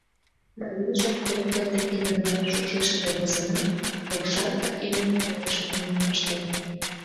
Марийжын доктор деке наҥгаяш ушешыже возынат, Оршанка эмлыме верыш намиен пыштен.